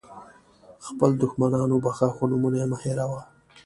خپل دښمنان وبخښه خو نومونه یې مه هېروه.